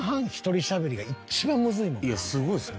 いやすごいですよ。